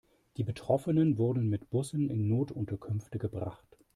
Die Betroffenen wurden mit Bussen in Notunterkünfte gebracht.